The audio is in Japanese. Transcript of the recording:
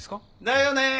だよね。